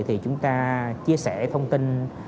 thì chúng ta chia sẻ thông tin